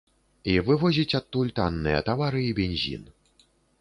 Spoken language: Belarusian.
І вывозіць адтуль танныя тавары і бензін.